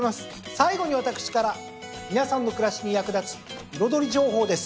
最後に私から皆さんの暮らしに役立つ彩り情報です。